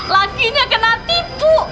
laginya kena tipu